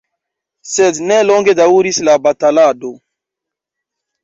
Sed ne longe daŭris la batalado.